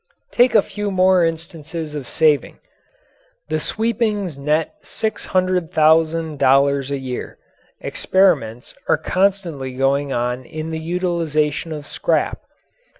Take a few more instances of saving. The sweepings net six hundred thousand dollars a year. Experiments are constantly going on in the utilization of scrap.